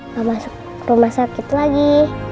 nggak masuk rumah sakit lagi